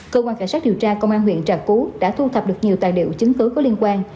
cơ quan cảnh sát điều tra công an huyện trà cú đã thu thập được nhiều tài liệu chứng cứ có liên quan